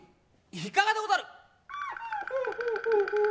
いかがでござる？